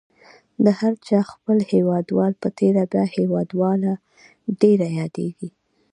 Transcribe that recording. د هر چا خپل هیوادوال په تېره بیا هیوادواله ډېره یادیږي.